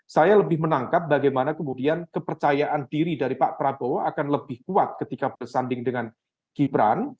saya lebih menangkap bagaimana kemudian kepercayaan diri dari pak prabowo akan lebih kuat ketika bersanding dengan gibran